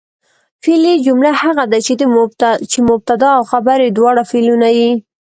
فعلي جمله هغه ده، چي مبتدا او خبر ئې دواړه فعلونه يي.